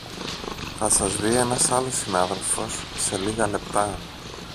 θα σας δει ένας άλλος συνάδελφος σε λίγα λεπτά